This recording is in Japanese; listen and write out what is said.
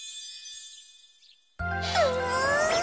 うん！